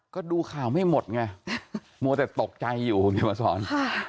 ก็ดูข่าวไม่หมดไงมัวแต่ตกใจอยู่คุณเขียนมาสอน